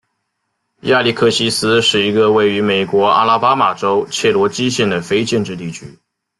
亚历克西斯是一个位于美国阿拉巴马州切罗基县的非建制地区。